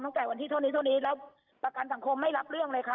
ตั้งแต่วันที่เท่านี้เท่านี้แล้วประกันสังคมไม่รับเรื่องเลยค่ะ